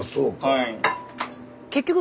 はい。